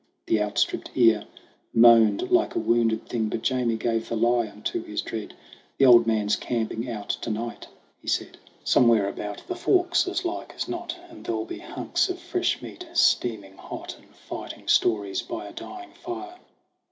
The outstripped air moaned like a wounded thing ; But Jamie gave the lie unto his dread. "The old man's camping out to night," he said, io SONG OF HUGH GLASS " Somewhere about the forks, as like as not ; And there'll be hunks of fresh meat steaming hot, And fighting stories by a dying fire!"